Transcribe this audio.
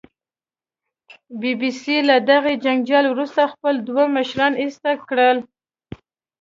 بي بي سي له دغې جنجال وروسته خپل دوه مشران ایسته کړل